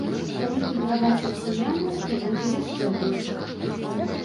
Калі не прадаць расіянам, то будзе яшчэ горш.